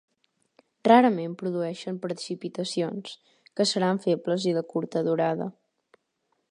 Rarament produeixen precipitacions, que seran febles i de curta durada.